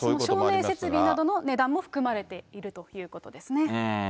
照明設備などの値段も含まれているということですね。